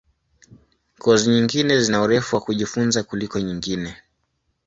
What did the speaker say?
Kozi nyingine zina urefu wa kujifunza kuliko nyingine.